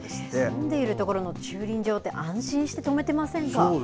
住んでいるところの駐輪場は安心して止めていませんか。